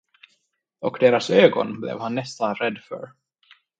Och deras ögon blev han nästan rädd för.